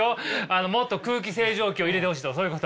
もっと空気清浄機を入れてほしいとかそういうこと？